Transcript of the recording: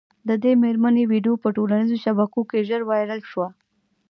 د دې مېرمني ویډیو په ټولنیزو شبکو کي ژر وایرل سوه